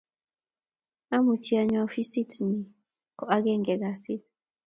Amuchi anyoo afisit nyi ko agenge kasiit